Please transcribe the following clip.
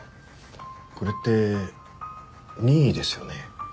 これって任意ですよね？